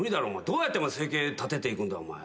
どうやって生計立てていくんだお前。